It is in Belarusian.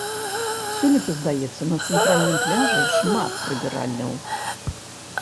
Сёлета, здаецца, на цэнтральным пляжы, шмат прыбіральняў.